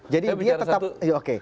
jadi dia tetap